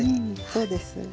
そうです。